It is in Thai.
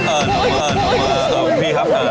เอ่อพี่ครับ